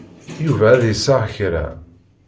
Yuba ad d-iseɣ kra.